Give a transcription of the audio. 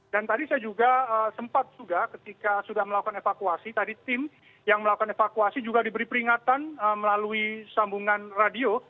dan tadi saya juga sempat juga ketika sudah melakukan evakuasi tadi tim yang melakukan evakuasi juga diberi peringatan melalui sambungan radio